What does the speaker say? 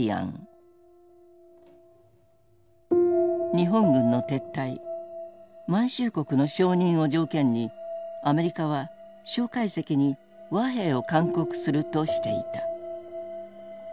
日本軍の撤退満州国の承認を条件にアメリカは蒋介石に和平を勧告するとしていた。